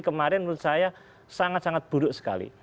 kemarin menurut saya sangat sangat buruk sekali